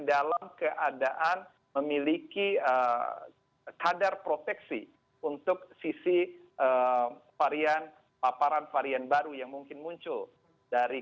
dalam keadaan memiliki kadar proteksi untuk sisi varian paparan varian baru yang mungkin muncul dari